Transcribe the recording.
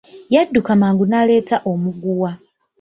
Yadduka mangu naleeta omuguwa.